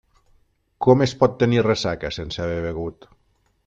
Com es pot tenir ressaca sense haver begut?